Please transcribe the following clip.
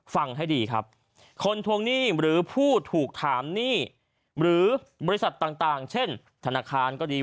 ฟังให้ดีครับคนทวงหนี้หรือผู้ถูกถามหนี้หรือบริษัทต่างเช่นธนาคารก็ดี